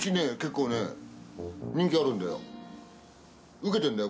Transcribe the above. ウケてるんだよ